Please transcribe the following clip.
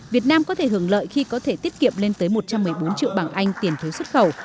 việt nam có thể hưởng lợi khi có thể tiết kiệm lên tới một trăm một mươi bốn triệu bảng anh tiền thuế xuất khẩu